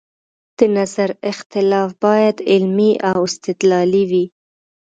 د نظر اختلاف باید علمي او استدلالي وي